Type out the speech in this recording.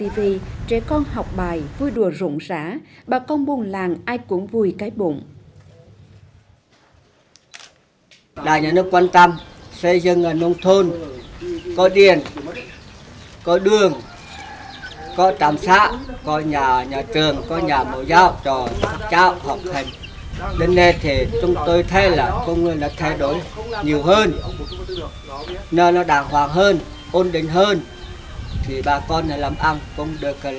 bà con buồn làng ai cũng vui cái bụng